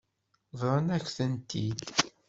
Bḍan-ak-tent-id.